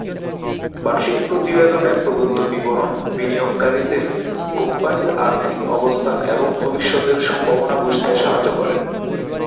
বার্ষিক প্রতিবেদনে প্রদত্ত বিবরণ বিনিয়োগকারীদের কোম্পানির আর্থিক অবস্থান এবং ভবিষ্যতের সম্ভবনা বুঝতে সাহায্য করে।